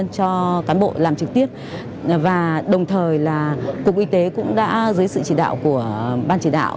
cho cán bộ làm trực tiếp và đồng thời là cục y tế cũng đã dưới sự chỉ đạo của ban chỉ đạo